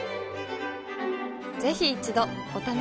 ぜひ一度お試しを。